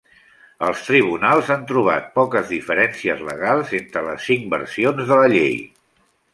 Els tribunals han trobat poques diferències legals entre les cinc versions de la Llei.